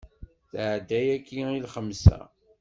Tɛedda yagi i lxemsa.